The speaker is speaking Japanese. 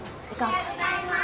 おはようございます。